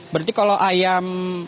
berarti kalau ayam